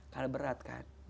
karena berat kan